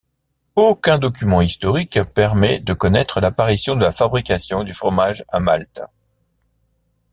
Aucun document historique permet de connaître l'apparition de la fabrication du fromage à Malte.